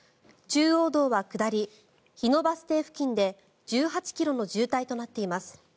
中央道は下り日野バス停付近で１８ｋｍの渋滞となっています。